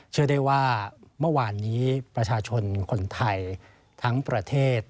เชื่อได้ว่าเมื่อวานนี้ประชาชนคนไทยทั้งประเทศ